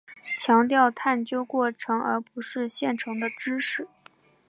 强调探究过程而不是现成的知识。